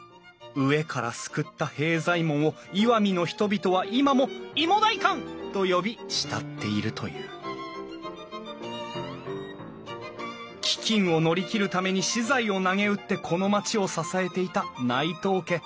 飢えから救った平左衛門を石見の人々は今もいも代官と呼び慕っているという飢饉を乗り切るために私財をなげうってこの町を支えていた内藤家。